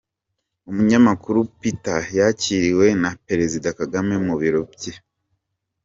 Umunyamakuru Peter yakiriwe na Perezida Kagame mu Biro bye.